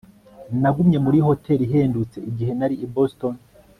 Nagumye muri hoteri ihendutse igihe nari i Boston